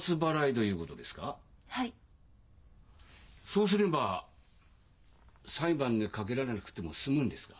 そうすれば裁判にかけられなくても済むんですか？